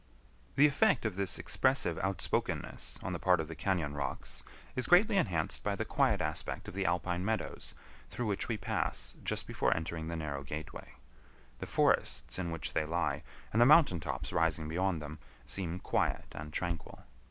The effect of this expressive outspokenness on the part of the cañon rocks is greatly enhanced by the quiet aspect of the alpine meadows through which we pass just before entering the narrow gateway. The forests in which they lie, and the mountain tops rising beyond them, seem quiet and tranquil.